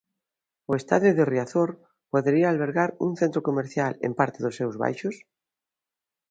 O estadio de Riazor podería albergar un centro comercial en parte dos seus baixos?